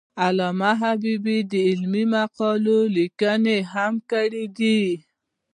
علامه حبیبي د علمي مقالو لیکنه هم کړې ده.